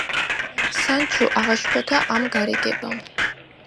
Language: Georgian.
სანჩო აღაშფოთა ამ გარიგებამ.